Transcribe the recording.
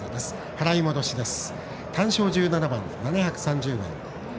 払い戻しです。